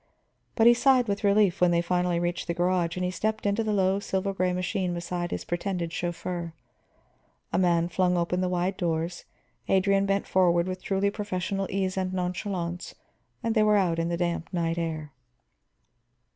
But he sighed with relief when they finally reached the garage and he stepped into the low, silver gray machine beside his pretended chauffeur. A man flung open the wide doors, Adrian bent forward with truly professional ease and nonchalance, and they were out in the damp night air.